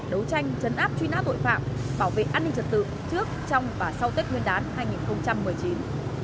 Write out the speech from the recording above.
đấu tranh chấn áp truy nã tội phạm bảo vệ an ninh trật tự trước trong và sau tết nguyên đán hai nghìn một mươi chín